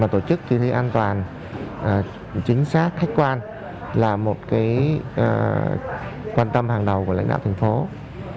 tổ chức kỳ thi an toàn chính xác khách quan là một quan tâm hàng đầu của lãnh đạo thành phố